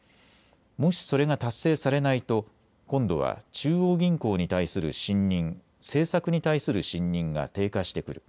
もしそれが達成されないと今度は中央銀行に対する信認、政策に対する信認が低下してくる。